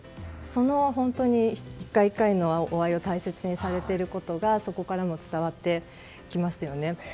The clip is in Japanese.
その１回１回のお会いを大切にされていることがそこからも伝わってきますよね。